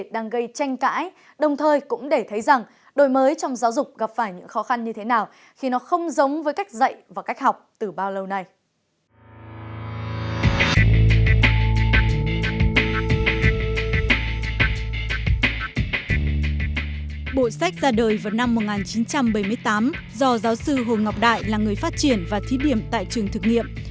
bộ sách ra đời vào năm một nghìn chín trăm bảy mươi tám do giáo sư hồ ngọc đại là người phát triển và thí điểm tại trường thực nghiệm